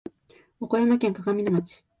岡山県鏡野町